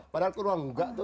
padahal ke ruang tidak itu